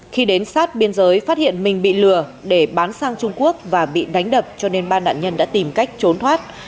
khi đến sát biên giới phát hiện mình bị lừa để bán sang trung quốc và bị đánh đập cho nên ba nạn nhân đã tìm cách trốn thoát